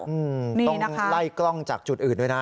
อืมต้องไล่กล้องจากจุดอื่นด้วยนะ